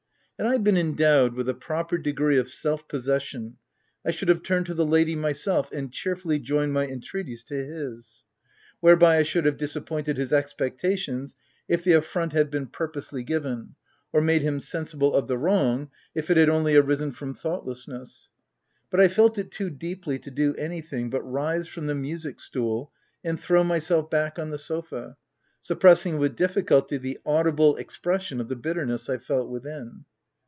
Had I been endowed with a proper degree of self possession, I should have turned to the lady myself, and cheerfully joined my entreaties to his ; whereby I should have disappointed his expectations, if the affront had been purposely given, or made him sensible of the wrong, if it had only arisen from thought lessness ; but I felt it too deeply to do anything but rise from the music stool, and throw r myself back on the sofa, suppressing with difficulty the audible expression of the bitterness I felt within.